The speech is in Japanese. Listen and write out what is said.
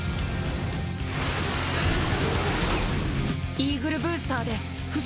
イーグルブースターで眈綯罎離